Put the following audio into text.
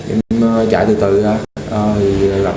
em chạy từ từ ra